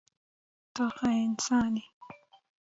ته ښه انسان یې.